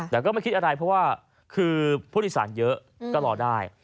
แต่ก็ไม่คิดอะไรเพราะว่าคือผู้โดยสารเยอะก็รอได้